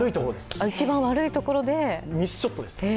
一番悪いところです。